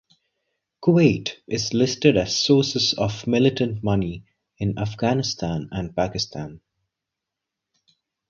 Kuwait is listed as sources of militant money in Afghanistan and Pakistan.